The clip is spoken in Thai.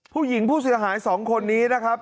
ผู้หญิงผู้เสียหาย๒คนนี้นะครับ